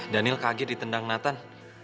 daniel kaget ditendang nathan